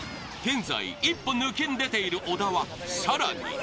現在一歩抜きん出ている小田は更に。